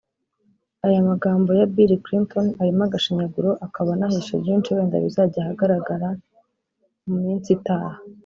Aya magambo ya Bill Clinton arimo agashinyaguro akaba anahishe byinshi wenda bizajya ahagaragara mu minsi itaha